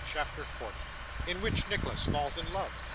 CHAPTER 40 In which Nicholas falls in Love.